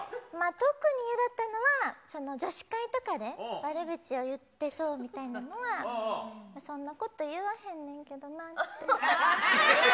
特に嫌だったのは女子会とかで悪口を言ってそうみたいなのは、そんなこと言わへんねんけどなって。